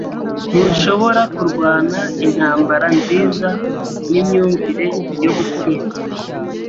Ntushobora kurwana intambara nziza nimyumvire yo gutsindwa.